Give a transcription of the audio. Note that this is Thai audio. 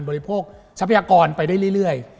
บริโภคทรัพยากรไปได้เรื่อย